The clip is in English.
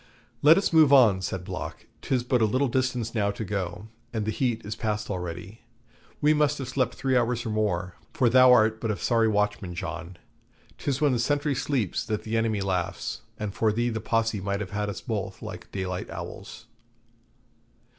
'Let us move on,' said Block; 'tis but a little distance now to go, and the heat is past already. We must have slept three hours or more, for thou art but a sorry watchman, John. 'Tis when the sentry sleeps that the enemy laughs, and for thee the Posse might have had us both like daylight owls.'